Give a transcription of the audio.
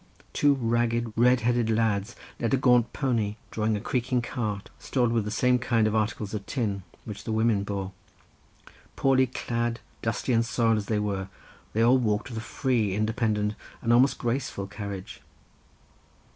Two ragged, red haired lads led a gaunt pony, drawing a creaking cart, stored with the same kind of articles of tin, which the women bore. Poorly clad, dusty and soiled as they were, they all walked with a free, independent, and almost graceful carriage.